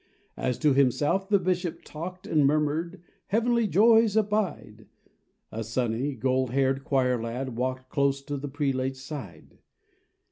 '' As to himself the Bishop talked And murmured, "Heavenly joys abide!" — A sunny, gold haired choir lad walked Close to the prelate's side.